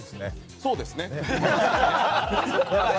そうですね。